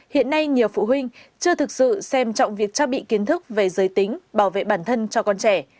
hiện nay nhiều phụ huynh chưa thực sự xem trọng việc trang bị kiến thức về giới tính bảo vệ bản thân cho con trẻ